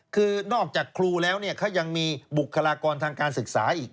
คือนอกจากครูแล้วเขายังมีบุคลากรทางการศึกษาอีก